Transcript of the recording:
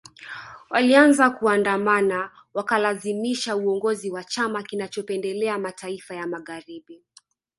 Walianza kuandamana wakalazimisha uongozi wa chama kinachopendelea mataifa ya Magharibi